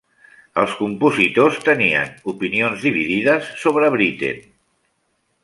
Els compositors tenien opinions dividides sobre Britten.